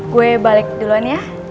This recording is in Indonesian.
gue balik duluan ya